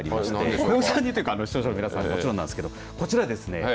小籔さんにというか視聴者の皆さんももちろんなんですがこちらです。